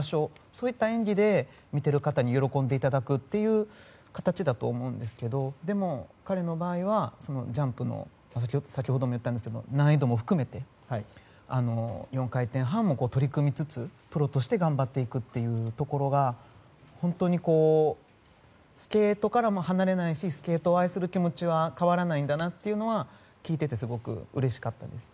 そういった演技で見ている方に喜んでいただくという形だと思うんですがでも、彼の場合はジャンプの、先ほども言ったんですけど難易度も含めて４回転半も取り組みつつプロとして頑張っていくところがスケートからも離れないしスケートを愛する気持ちは変わらないんだなというのは聞いててすごくうれしかったです。